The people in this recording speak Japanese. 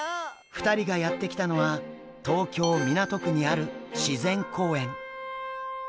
２人がやって来たのは東京・港区にある自然公園。